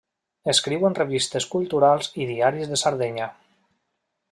Escriu en revistes culturals i diaris de Sardenya.